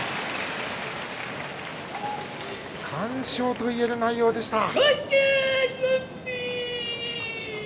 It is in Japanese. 完勝と言える内容でした。